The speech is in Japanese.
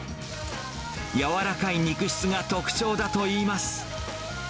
軟らかい肉質が特徴だといいます。